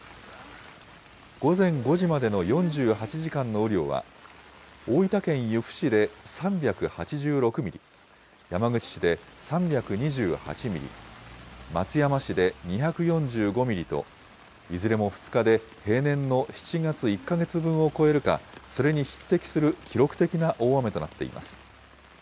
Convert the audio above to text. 午前５時までの４８時間の雨量は、大分県由布市で３８６ミリ、山口市で３２８ミリ、松山市で２４５ミリと、いずれも２日で平年の７月１か月分を超えるか、それに匹敵する記録的な大雨となっています。